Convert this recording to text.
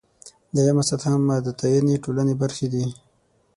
درېیمه سطح متدینې ټولنې برخې دي.